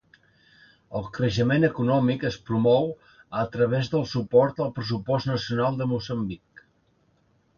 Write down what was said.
El creixement econòmic es promou a través del suport al pressupost nacional de Moçambic.